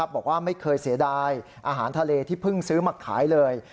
บอกว่าไม่เคยเสียดายอาหารทะเลที่เพิ่งซื้อมาขายเลย